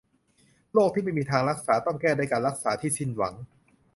โรคที่ไม่มีทางรักษาต้องแก้ด้วยการรักษาที่สิ้นหวัง